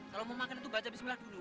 kalau mau makan itu baca bismillah dulu